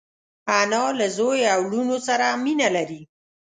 انا له زوی او لوڼو سره مینه لري